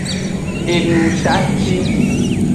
Enutaci.